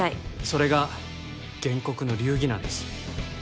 それが原告の流儀なんです